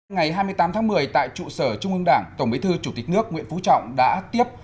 ngày hai mươi tám tháng một mươi tại trụ sở trung ương đảng tổng bí thư chủ tịch nước nguyễn phú trọng đã tiếp